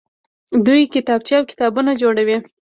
دوی کتابچې او پاکټونه جوړوي.